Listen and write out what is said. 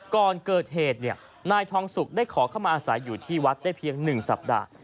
ก่อนเกิดเหตุนายทองสุกได้ขอเข้ามาอาศัยอยู่ที่วัดได้เพียง๑สัปดาห์